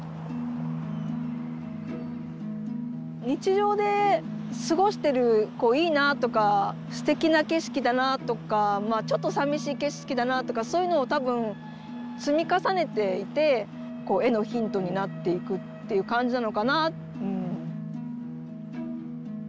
日常で過ごしてるこういいなとかすてきな景色だなとかまあちょっとさみしい景色だなとかそういうのを多分積み重ねていてこう絵のヒントになっていくっていう感じなのかな。